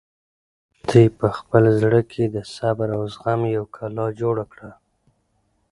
لښتې په خپل زړه کې د صبر او زغم یوه کلا جوړه کړه.